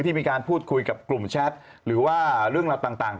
มีการพูดคุยกับกลุ่มแชทหรือว่าเรื่องราวต่าง